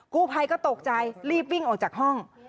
กู้ภัยก็ตกใจรีบวิ่งออกจากห้อง